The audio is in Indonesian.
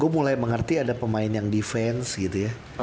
gue mulai mengerti ada pemain yang defense gitu ya